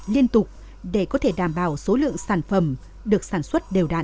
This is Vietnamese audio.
liên tục để có thể đảm bảo số lượng sản phẩm được sản xuất đều đạn